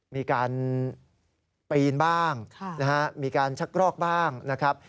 มีการปีนบ้างมีการชักรอกบ้างนะครับ